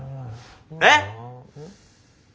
えっ？